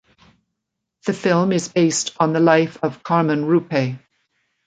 The film is based on the life of Carmen Rupe.